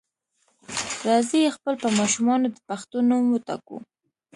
راځئ خپل په ماشومانو د پښتو نوم وټاکو.